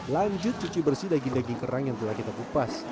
lanjut cuci bersih daging daging kerang yang telah kita kupas